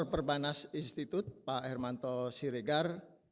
ketua perbanas institut pak hermanto siregar